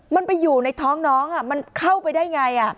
มันไปอยู่ในท้องน้องมันเข้าไปได้ไง